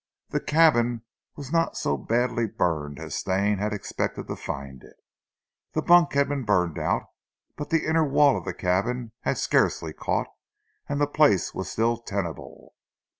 The cabin was not so badly burned as Stane had expected to find it. The bunk had burned out, but the inner wall of the cabin had scarcely caught and the place was still tenable.